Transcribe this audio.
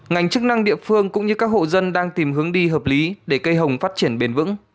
ngành chức năng địa phương cũng như các hộ dân đang tìm hướng đi hợp lý để cây hồng phát triển bền vững